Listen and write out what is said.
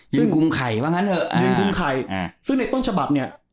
ยินกุมไข่บ้างกันเหอะยินกุมไข่อ่าซึ่งในต้นฉบับเนี้ย